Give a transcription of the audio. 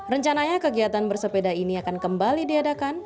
rencananya kegiatan bersepeda ini akan kembali diadakan